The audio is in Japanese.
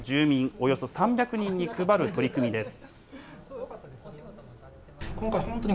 およそ３００人に配る取り組みです。